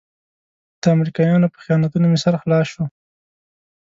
د امریکایانو په خیانتونو مې سر خلاص شو.